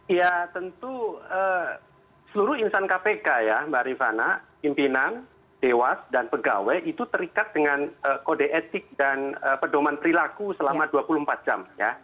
ya tentu seluruh insan kpk ya mbak rifana pimpinan dewas dan pegawai itu terikat dengan kode etik dan pedoman perilaku selama dua puluh empat jam